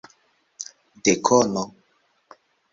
Dekono?